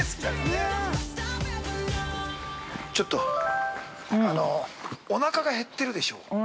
◆ちょっと、おなかが減ってるでしょう。